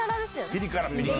ピリ辛、ピリ辛。